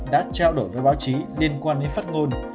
đã trao đổi với báo chí liên quan đến phát ngôn